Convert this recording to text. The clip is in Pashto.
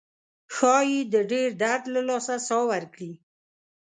ښایي د ډیر درد له لاسه ساه ورکړي.